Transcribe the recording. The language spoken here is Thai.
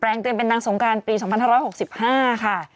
แปลงเป็นนางสงกรานปี๒๕๖๕ค่ะ